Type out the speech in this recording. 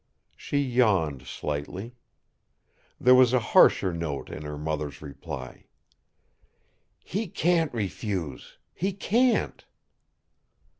She yawned slightly. There was a harsher note in her mother's reply. "He can't refuse. He can't!"